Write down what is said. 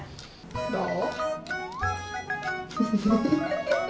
どう？